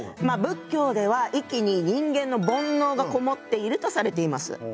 仏教では息に人間の煩悩が籠もっているとされています。